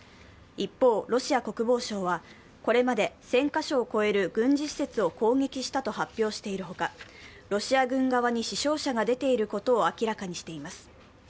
一方、ロシア国防省はこれまで１０００カ所を超える軍事施設を攻撃したと発表しているほか、ロシア軍側に死傷者が出ていることを明らかにしています。